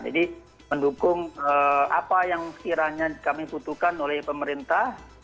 jadi mendukung apa yang sekiranya kami butuhkan oleh pemerintah